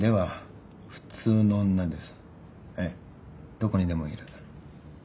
どこにでもいる。